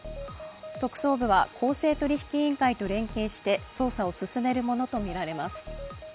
特捜部は、公正取引委員会と連携して捜査を進めるものとみられます。